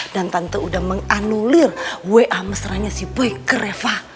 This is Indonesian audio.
dan tante udah menganulir wa mesraannya si boy ke reva